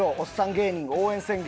芸人応援宣言」。